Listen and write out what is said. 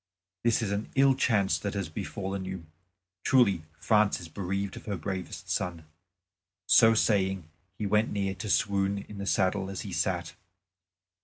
"This is an ill chance that has befallen you. Truly France is bereaved of her bravest son." So saying he went near to swoon in the saddle as he sat.